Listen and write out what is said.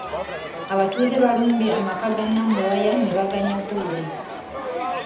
Abatuuze baalumbye amaka ga Namuwaya ne baganyagulula.